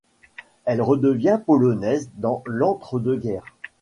Elle redevient polonaise dans l'entre-deux-guerres.